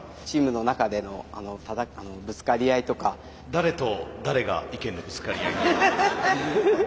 誰と誰が意見のぶつかり合いに？